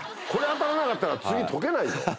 これ当たらなかったら次解けないよ。